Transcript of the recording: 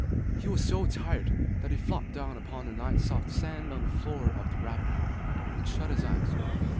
He was so tired that he flopped down upon the nice soft sand on the floor of the rabbit hole and shut his eyes.